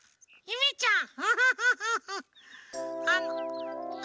ゆめちゃん？